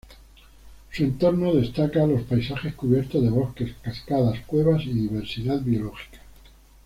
Su entorno destaca los paisajes cubiertos de bosques, cascadas, cuevas y diversidad biológica.